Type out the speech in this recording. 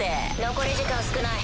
残り時間少ない。